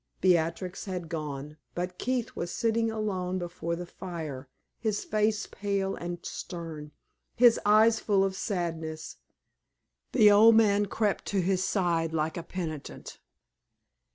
Beatrix had gone, but Keith was sitting alone before the fire, his face pale and stern, his eyes full of sadness. The old man crept to his side like a penitent.